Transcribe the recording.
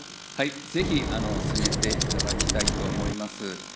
ぜひ進めていただきたいと思います。